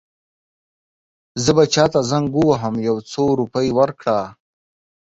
زه به چاته زنګ ووهم یو څو روپۍ ورکړه.